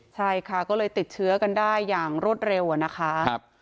ใช่ค่ะก็เลยติดเชื้อกันได้อย่างรวดเร็วอะนะคะ